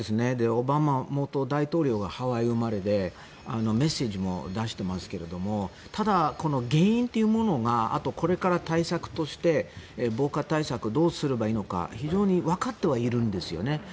オバマ元大統領がハワイ生まれでメッセージも出していますけどただ、この原因というものがこれからの対策として防火対策どうすればいいのか非常にわかってはいるんですよね。